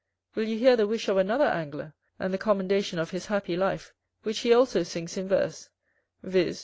Will you hear the wish of another Angler, and the commendation of his happy life, which he also sings in verse: viz.